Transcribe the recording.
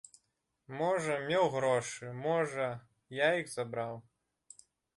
Можа, меў грошы, можа, я іх забраў?